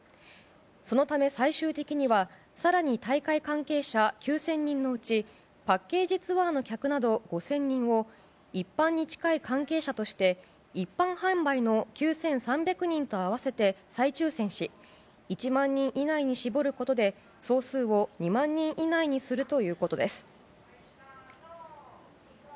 そのため最終的には、更に大会関係者９０００人のうちパッケージツアーの客など５０００人を一般に近い関係者として一般販売の９３００人と合わせて再抽選し１万人以内に絞ることで総数を２万人以内にするということです。